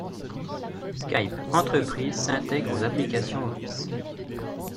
Skype Entreprise s'intègre aux applications Office.